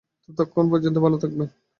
ততক্ষণ পর্যন্ত, ভালো থাকবেন।